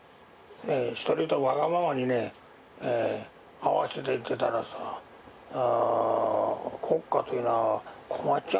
一人のわがままにね合わせてたらさ国家というのは困っちゃうんじゃないかなぁ。